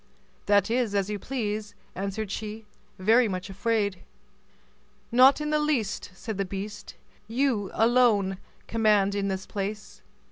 "That is as you please," answered she, very much afraid. "Not in the least," said the beast; "you alone command in this place.